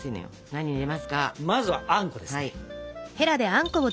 まずはあんこですね。